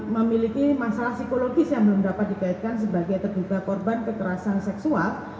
memiliki masalah psikologis yang belum dapat dikaitkan sebagai terduga korban kekerasan seksual